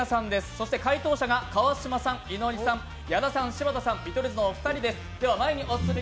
そして回答者が川島さん、いのりさん、矢田さん、柴田さん、見取り図のお二人です。